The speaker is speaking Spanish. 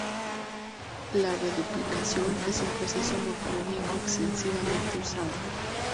La reduplicación es un proceso morfológico extensivamente usado.